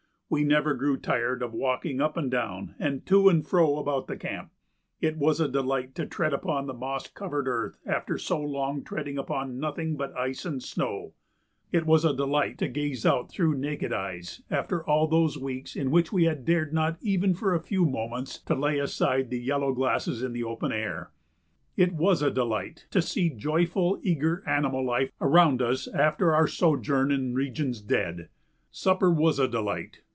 We never grew tired of walking up and down and to and fro about the camp it was a delight to tread upon the moss covered earth after so long treading upon nothing but ice and snow; it was a delight to gaze out through naked eyes after all those weeks in which we had not dared even for a few moments to lay aside the yellow glasses in the open air; it was a delight to see joyful, eager animal life around us after our sojourn in regions dead. Supper was a delight.